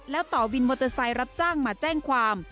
แล้วต่อวินมอเตอร์ไซค์รับจ้างมาแจ้งความ